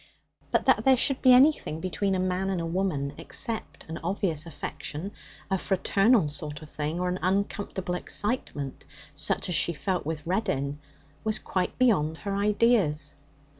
But that there should be anything between a man and a woman except an obvious affection, a fraternal sort of thing, or an uncomfortable excitement such as she felt with Reddin, was quite beyond her ideas.